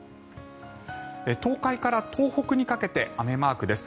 東海から東北にかけて雨マークです。